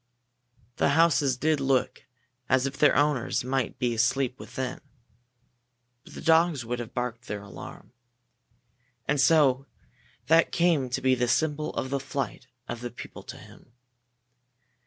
The houses did look as if their owners might be asleep within, but the dogs would have barked their alarm. And so that came to be the symbol of the flight of the people to him.